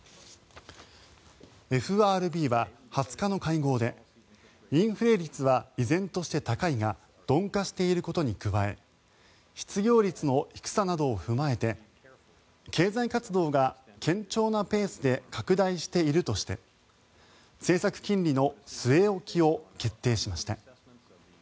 ＦＲＢは２０日の会合でインフレ率は依然として高いが鈍化していることに加え失業率の低さなどを踏まえて経済活動が堅調なペースで拡大しているとして政策金利の据え置きを決定しました。